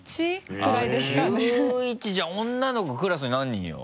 じゃあ女の子クラスに何人よ？